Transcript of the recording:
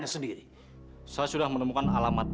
sendiri saya sudah menemukan alamat